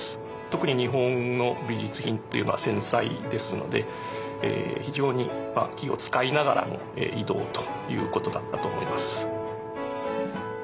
特に日本の美術品というのは繊細ですので非常に気を遣いながらの移動ということだったと思います。